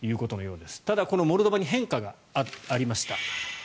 ただ、モルドバに変化がありました。